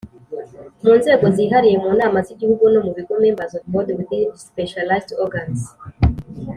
mu Nzego zihariye mu Nama z Igihugu no mu Bigo members of Boards within Specialized Organs